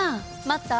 待った？